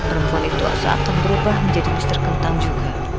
dan perempuan itu akan berubah menjadi mister kentang juga